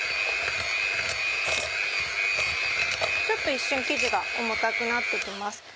ちょっと一瞬生地が重たくなって来ます。